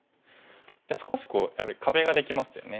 で少しやっぱり壁ができましたよね。